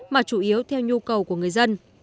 mà chủ yếu theo nhu cầu của người dân